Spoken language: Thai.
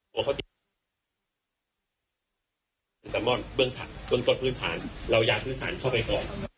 เบื้องถัดเบื้องต้นพื้นผ่านเรายาพื้นผ่านเข้าไปก่อน